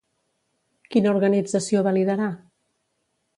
Quina organització va liderar?